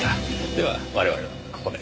では我々はここで。